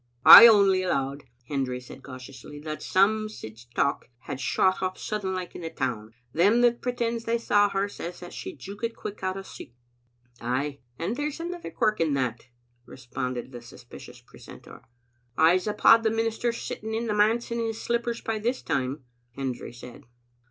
" I only allowed," Hendry said cautiously, "that some sic talk had shot up sudden like in the town. Them that pretends they saw her says that she joukit quick out o' sicht." "Ay, and there's another quirk in that," responded the suspicious precentor. "I'seuphaud the minister's sitting in the manse in his slippers by this time," Hendry said.